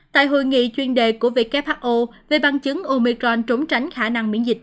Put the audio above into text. tại hội nghị chuyên đề của who về bằng chứng omicron trúng tránh khả năng miễn dịch